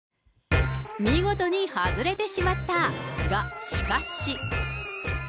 見事に外れてしまったが、しかし。